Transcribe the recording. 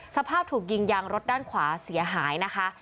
สภาพถูกยิงยางรถด้านขวาเสียหายนะคะ